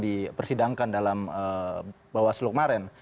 dipersidangkan dalam bawaslu kemarin